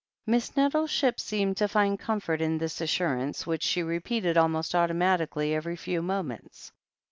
Miss Nettleship seemed to find comfort in this assur ance, which she repeated almost automatically every few moments.